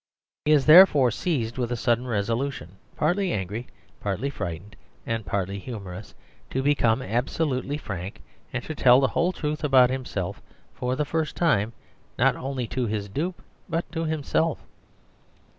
He is therefore seized with a sudden resolution, partly angry, partly frightened, and partly humorous, to become absolutely frank, and to tell the whole truth about himself for the first time not only to his dupe, but to himself.